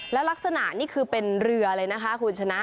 แล้วลักษณะนี่คือเป็นเรือเลยนะคะคุณชนะ